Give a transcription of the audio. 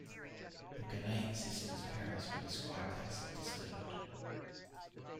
The Genain sisters' parents were described as "disturbed".